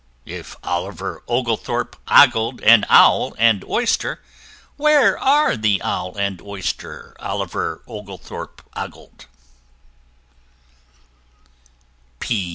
If Oliver Oglethorpe ogled an Owl and Oyster, Where are the Owl and Oyster Oliver Oglethorpe ogled?